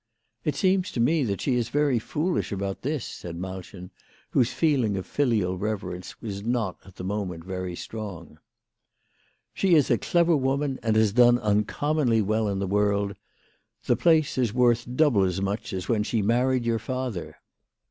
It seems to me that she is very foolish about this/' said Malchen, whose feeling of filial reverence was not at the moment very strong. " She is a clever woman, and has done uncommonly well in the world. The place is worth double as much as when she married your father.